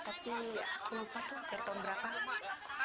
tapi aku lupa tuh dari tahun berapa lama